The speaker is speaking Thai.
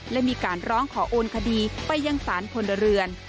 และมีการร้องขอโอนคดีไปยังสารพลเรือน